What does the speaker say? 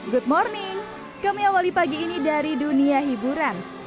good morning kami awali pagi ini dari dunia hiburan